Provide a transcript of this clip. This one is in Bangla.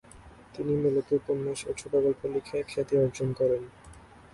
তিনি মূলত উপন্যাস ও ছোটগল্প লিখে খ্যাতি অর্জন করেন।